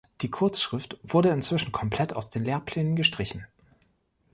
Die Kurzschrift wurde inzwischen komplett aus den Lehrplänen gestrichen.